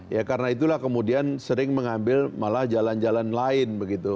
ya karena itulah kemudian sering mengambil malah jalan jalan lain begitu